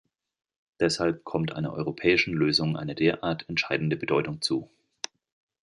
Deshalb kommt einer europäischen Lösung eine derart entscheidende Bedeutung zu.